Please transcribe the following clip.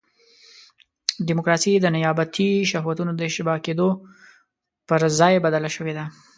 ډیموکراسي د نیابتي شهوتونو د اشباع کېدو پر ځای بدله شوې ده.